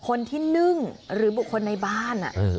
คนที่นึ่งหรือบุคคลในบ้าน